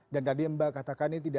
dan tadi mbak katakan ini tidak